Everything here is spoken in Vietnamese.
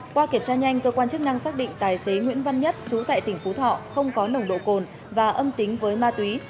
qua kiểm tra nhanh cơ quan chức năng xác định tài xế nguyễn văn nhất trú tại tỉnh phú thọ không có nồng độ cồn và âm tính với ma túy